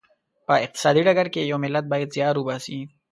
په اقتصادي ډګر کې یو ملت باید زیار وباسي.